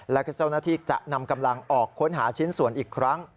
แล้วก็เจ้าหน้าที่จะนำกำลังออกค้นหาชิ้นส่วนอีกครั้ง